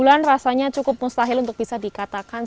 kenapa kamu yang gak makan